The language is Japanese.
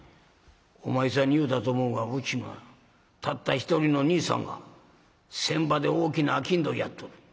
「お前さんに言うたと思うがうちにはたった一人の兄さんが船場で大きな商人やっとる。